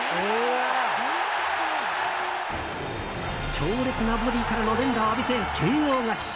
強烈なボディーからの連打を浴びせ、ＫＯ勝ち！